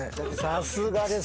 さすがですね。